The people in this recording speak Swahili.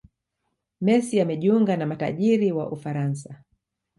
messi amejiunga na matajiri wa ufaransa